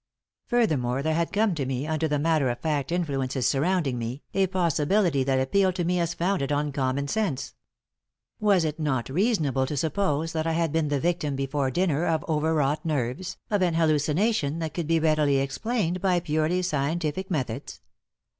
Furthermore, there had come to me, under the matter of fact influences surrounding me, a possibility that appealed to me as founded on common sense. Was it not reasonable to suppose that I had been the victim before dinner of overwrought nerves, of an hallucination that could be readily explained by purely scientific methods?